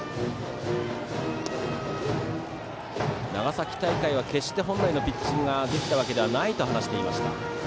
長崎大会は決して本来のピッチングができたわけではないと話していました。